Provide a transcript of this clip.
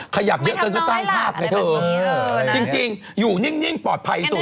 ขยับเยอะเกินก็สร้างภาพไงเธอจริงอยู่นิ่งปลอดภัยสุด